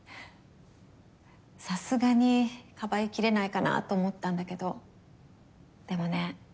さすがにかばいきれないかなと思ったんだけどでもね